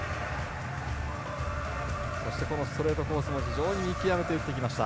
そしてストレートコースも非常に見極めて打ってきました。